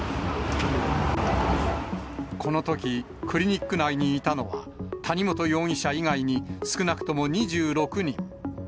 このとき、クリニック内にいたのは、谷本容疑者以外に少なくとも２６人。